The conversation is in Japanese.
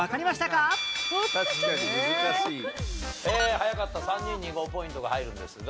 早かった３人に５ポイントが入るんですが。